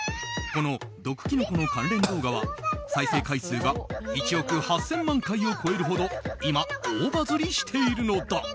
この毒きのこの関連動画は再生回数が１億８０００万回を超えるほど今、大バズりしているのだ。